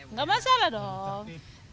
nggak masalah dong